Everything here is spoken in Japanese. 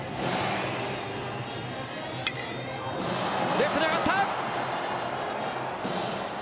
レフトに上がった！